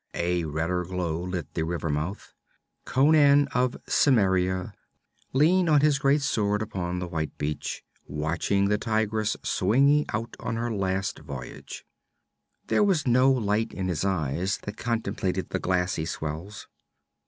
A redder glow lit the river mouth. Conan of Cimmeria leaned on his great sword upon the white beach, watching the Tigress swinging out on her last voyage. There was no light in his eyes that contemplated the glassy swells.